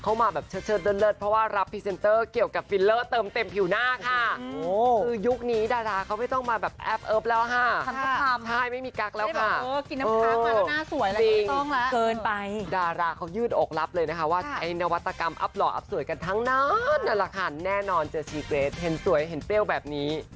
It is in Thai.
แน่นอนจะชีเกรดถ้าเห็นสวยแตกโป้งแบบนี้